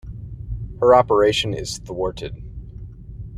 Her operation is thwarted.